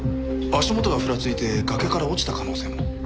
足元がふらついて崖から落ちた可能性も。